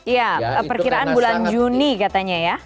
ya perkiraan bulan juni katanya ya